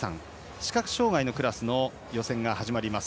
視覚障がいのクラスの予選が始まります。